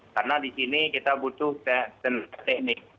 karena di sini kita butuh teknik